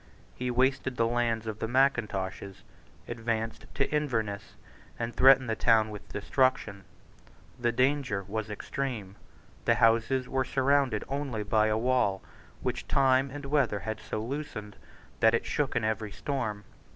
He wasted the lands of the Mackintoshes, advanced to Inverness, and threatened the town with destruction. The danger was extreme. The houses were surrounded only by a wall which time and weather had so loosened that it shook in every storm.